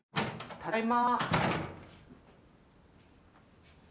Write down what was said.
ただいま。